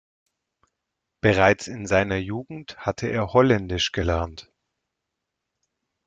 Bereits in seiner Jugend hatte er Holländisch gelernt.